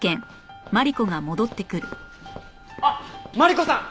あっマリコさん！